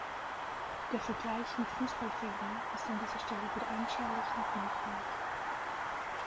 Der Vergleich mit Fußballfeldern ist an dieser Stelle weder anschaulich noch hilfreich.